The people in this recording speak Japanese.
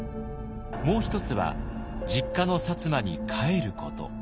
もう一つは実家の薩摩に帰ること。